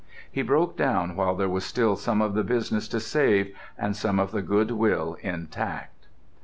He broke down while there was still some of the business to save and some of the goodwill intact.